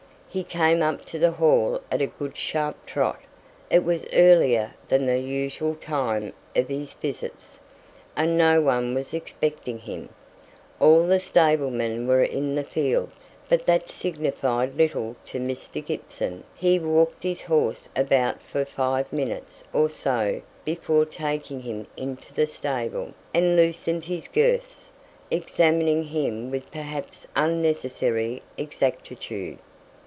He came up to the Hall at a good sharp trot; it was earlier than the usual time of his visits, and no one was expecting him; all the stable men were in the fields, but that signified little to Mr. Gibson; he walked his horse about for five minutes or so before taking him into the stable, and loosened his girths, examining him with perhaps unnecessary exactitude.